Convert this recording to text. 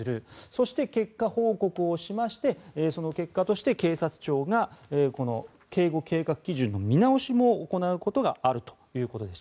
そして結果報告をしましてその結果として警察庁が警護計画基準の見直しも行うことがあるということです。